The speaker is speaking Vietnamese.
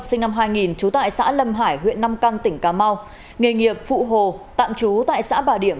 sinh năm hai nghìn trú tại xã lâm hải huyện nam căng tỉnh cà mau nghề nghiệp phụ hồ tạm trú tại xã bà điểm